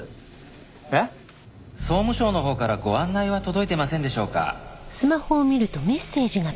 えっ？総務省のほうからご案内は届いてませんでしょうか？